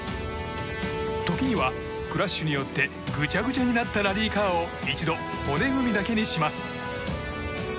時には、クラッシュによってぐちゃぐちゃになったラリーカーを一度、骨組みだけにします。